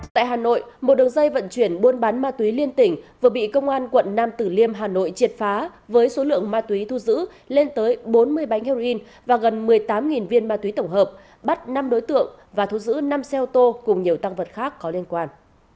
tại hà nội một đường dây vận chuyển buôn bán ma túy liên tỉnh vừa bị công an quận nam tử liêm hà nội triệt phá với số lượng ma túy thu giữ lên tới bốn mươi bánh heroin và gần một mươi tám viên ma túy tổng hợp bắt năm đối tượng và thu giữ năm xe ô tô cùng nhiều tăng vật khác có liên quan